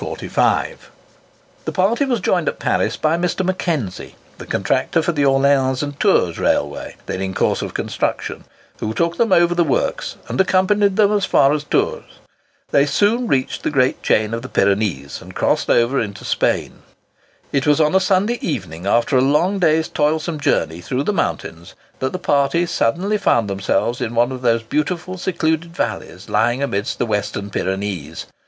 The party was joined at Paris by Mr. Mackenzie, the contractor for the Orleans and Tours Railway, then in course of construction, who took them over the works, and accompanied them as far as Tours. They soon reached the great chain of the Pyrenees, and crossed over into Spain. It was on a Sunday evening, after a long day's toilsome journey through the mountains, that the party suddenly found themselves in one of those beautiful secluded valleys lying amidst the Western Pyrenees.